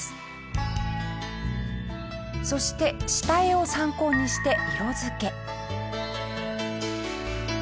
そして下絵を参考にして色付け。